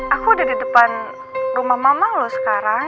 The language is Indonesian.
aku udah di depan rumah mama lo sekarang